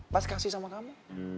mas kasih sama kamu